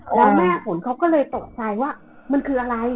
แล้วแม่ฝนเขาก็เลยตกใจว่ามันคืออะไร